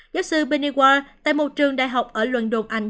giáo sư penny wall tại một trường đại học ở london anh